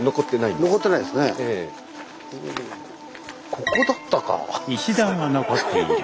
ここだったか。